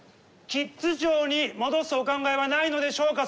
「キッズ庁」に戻すお考えはないのでしょうか？